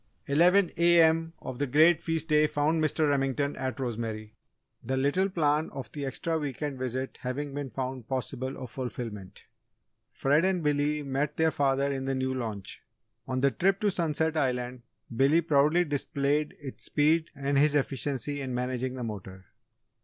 Eleven A.M. of the great feast day found Mr. Remington at Rosemary, the little plan of the extra week end visit having been found possible of fulfilment. Fred and Billy met their father in the new launch. On the trip to Sunset Island, Billy proudly displayed its speed and his efficiency in managing the motor.